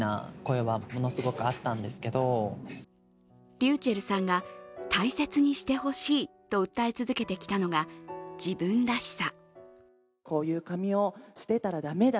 ｒｙｕｃｈｅｌｌさんが大切にしてほしいと訴え続けてきたのが自分らしさ。